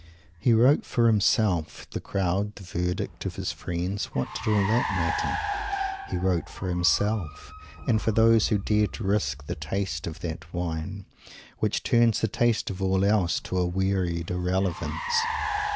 He wrote for himself. The crowd, the verdict of his friends what did all that matter? He wrote for himself; and for those who dare to risk the taste of that wine, which turns the taste of all else to a weary irrelevance!